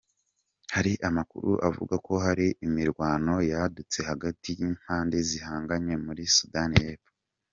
Hari amakuru avuga ko hari imirwano yadutse hagati y'impande zihanganye muri Sudani yepfo.